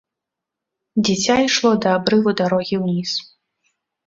Дзіця ішло да абрыву дарогі ўніз.